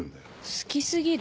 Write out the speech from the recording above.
好き過ぎる？